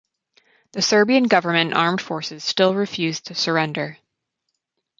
The Serbian government and armed forces still refused to surrender.